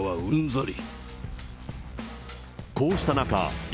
こうした中、今、